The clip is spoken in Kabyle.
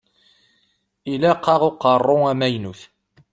Ilaq-aɣ uqeṛṛuy amaynut.